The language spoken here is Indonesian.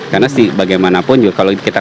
karena bagaimanapun kalau kita